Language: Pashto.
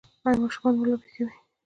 ایا ماشومان مو لوبې کوي؟